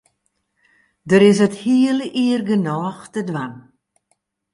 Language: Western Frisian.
Der is it hiele jier genôch te dwaan.